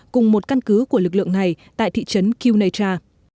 cùng một căn cứ của lực lượng này tại thị trấn qunecha